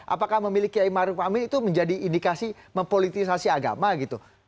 apakah memiliki kiai maruf amin itu menjadi indikasi mempolitisasi agama gitu